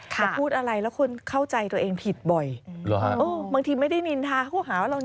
ควรเปลี่ยนนะครับ